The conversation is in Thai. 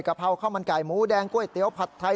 เพราข้าวมันไก่หมูแดงก๋วยเตี๋ยวผัดไทย